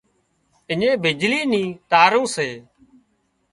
اڃين بجلي نِي تارُون سي